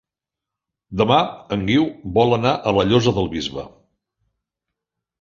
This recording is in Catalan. Demà en Guiu vol anar a la Llosa del Bisbe.